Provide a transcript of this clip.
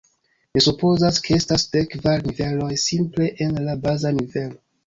Mi supozas ke estas dek kvar niveloj simple en la baza nivelo.